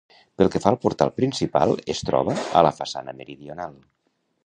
Pel que fa al portal principal, es troba a la façana meridional.